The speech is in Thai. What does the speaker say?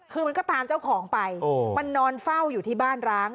คือมันก็ตามเจ้าของไปมันนอนเฝ้าอยู่ที่บ้านร้าง